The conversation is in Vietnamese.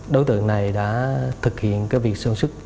đối tượng này đã thực hiện cái việc sân sức